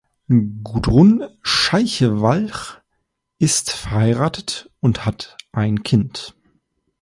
Gudrun Schaich-Walch ist verheiratet und hat ein Kind.